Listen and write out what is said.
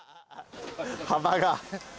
幅が。